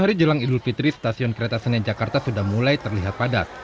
dua hari jelang idul fitri stasiun kereta senen jakarta sudah mulai terlihat padat